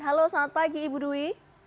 halo selamat pagi ibu dwi